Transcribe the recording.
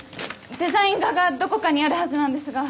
デザイン画がどこかにあるはずなんですが。